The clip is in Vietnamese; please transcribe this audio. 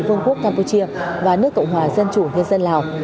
vương quốc campuchia và nước cộng hòa dân chủ nhân dân lào